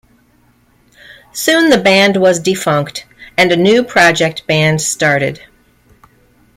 Soon the band was defunct and a new project band started.